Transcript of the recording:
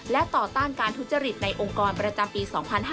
และต่อต้านการทุจริตในองค์กรประจำปี๒๕๕๙